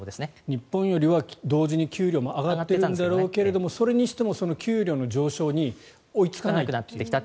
日本よりは同時に給料も上がっているんだろうけどそれにしても給料の上昇が追いつかなくなってきた。